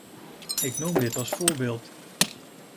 Ik noem dit als voorbeeld.